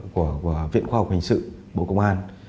của viện khoa học hình sự bộ công an